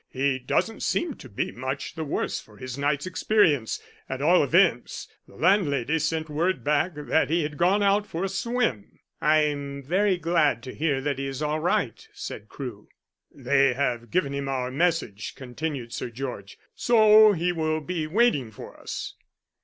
"He doesn't seem to be much the worse for his night's experience. At all events, the landlady sent word back that he had gone out for a swim." "I am very glad to hear that he is all right," said Crewe. "They have given him our message," continued Sir George, "so he will be waiting for us."